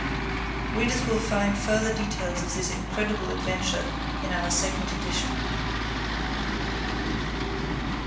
Readers will find further details of this incredible adventure in our second edition.